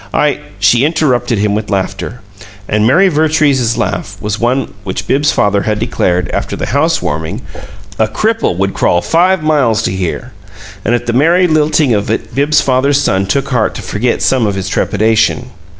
I " She interrupted him with laughter, and Mary Vertrees's laugh was one which Bibbs's father had declared, after the house warming, "a cripple would crawl five miles to hear." And at the merry lilting of it Bibbs's father's son took heart to forget some of his trepidation.